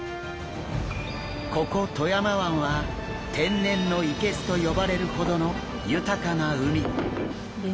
ここ富山湾は天然の生簀と呼ばれるほどの豊かな海。